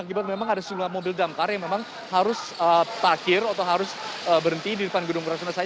akibat memang ada sebuah mobil damkar yang memang harus takir atau harus berhenti di depan gedung rasuna said